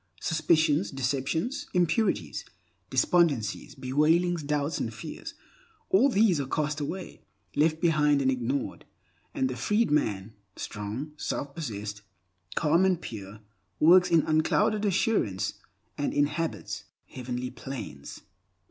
Suspicions, deceptions, impurities, despondencies, bewailings, doubts, and fears—all these are cast away, left behind and ignored, and the freed man, strong, self possessed, calm, and pure, works in unclouded assurance, and inhabits heavenly planes.